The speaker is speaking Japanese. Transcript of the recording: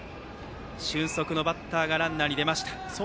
俊足のバッターがランナーに出ました。